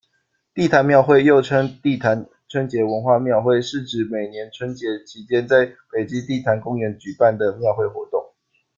地坛庙会，又称地坛春节文化庙会，是指每年春节期间在北京地坛公园举办的庙会活动。